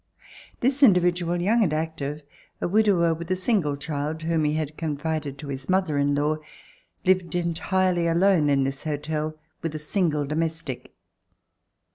This in dividual, young and active, a widower with a single child whom he had confided to his mother in law, lived entirely alone in this hotel with a single domestic.